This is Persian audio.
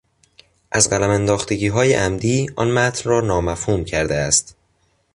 از قلم انداختگیهای عمدی، آن متن را نامفهوم کرده است.